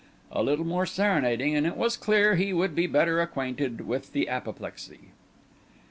A little more serenading, and it was clear he would be better acquainted with the apoplexy.